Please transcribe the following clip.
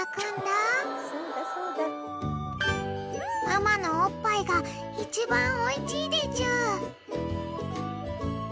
［ママのおっぱいが一番おいちいでちゅ］